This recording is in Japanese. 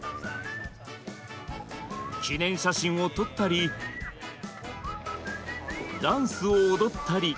記念写真を撮ったりダンスを踊ったり。